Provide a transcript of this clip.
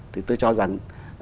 thì tôi cho rằng